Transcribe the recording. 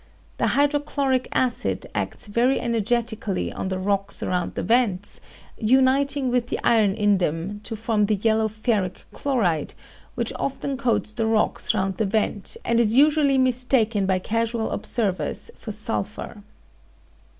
The hydrochloric acid acts very energetically on the rocks around the vents, uniting with the iron in them to form the yellow ferric chloride, which often coats the rocks round the vent and is usually mistaken by casual observers for sulphur.